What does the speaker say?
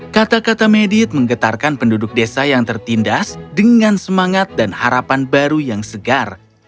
kata kata medit menggetarkan penduduk desa yang tertindas dengan semangat dan harapan baru yang segar